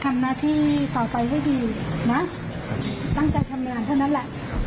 ทำหน้าที่ต่อไปให้ดีนะตั้งใจทำงานเท่านั้นแหละ